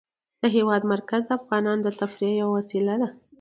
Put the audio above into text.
د هېواد مرکز د افغانانو د تفریح یوه وسیله ده.